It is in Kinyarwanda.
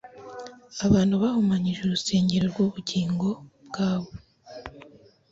Abantu bahumanyije urusengero rwubugingo bwabo